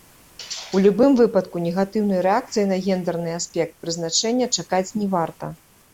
У любым выпадку, негатыўнай рэакцыі на гендэрны аспект прызначэння чакаць не варта.